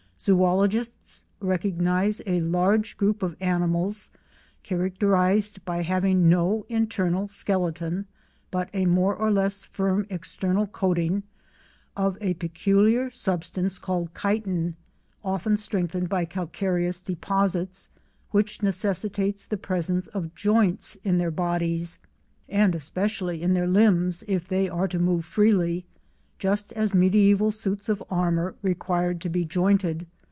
Zoologists recognise a large group of animals characterised by having no internal skeleton but a more or less firm external coating of a peculiar substance called chitin, often strengthened by calcareous deposits, which necessitates the presence of joints in their bodies, and especially in their limbs if they are to move freely, just as medieval suits of armour required to be jointed.